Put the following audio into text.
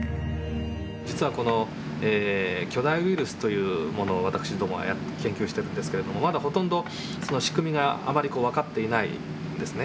実はこの巨大ウイルスというものを私どもは研究してるんですけれどもまだほとんどその仕組みがあまり分かっていないんですね。